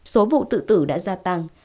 số vụ tự tử đã gia tăng